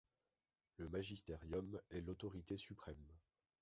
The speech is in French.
Le Magisterium est l'Autorité suprême.